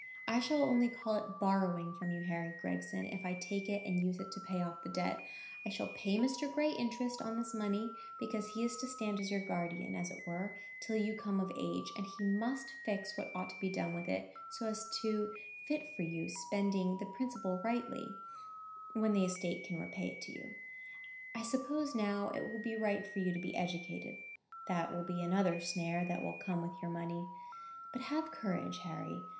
I shall only call it borrowing from you, Harry Gregson, if I take it and use it to pay off the debt. I shall pay Mr. Gray interest on this money, because he is to stand as your guardian, as it were, till you come of age; and he must fix what ought to be done with it, so as to fit you for spending the principal rightly when the estate can repay it you. I suppose, now, it will be right for you to be educated. That will be another snare that will come with your money. But have courage, Harry.